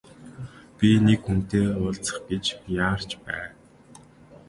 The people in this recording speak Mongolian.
Би нэг хүнтэй уулзах гэж яарч байна.